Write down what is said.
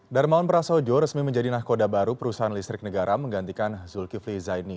darmawan prasojo resmi menjadi nahkoda baru perusahaan listrik negara menggantikan zulkifli zaini